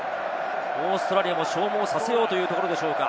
オーストラリアを消耗させようというところでしょうか。